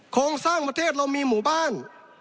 โครงสร้างประเทศเรามีหมู่บ้าน